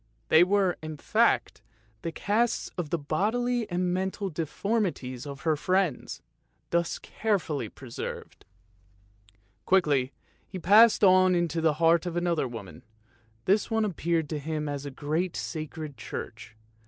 They were, in fact, the casts of the bodily and mental deformities of her friends, thus carefully preserved. Quickly he passed on into the heart of another woman; this one appeared to him as a great sacred church.